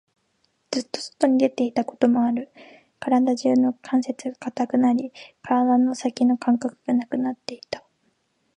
ずっと外に出ていたこともある。体中の関節が堅くなり、体の先の感覚がなくなっていた。